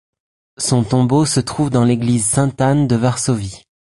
Son tombeau se trouve dans l'église Sainte-Anne de Varsovie.